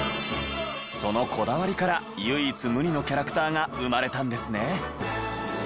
そのこだわりから唯一無二のキャラクターが生まれたんですね。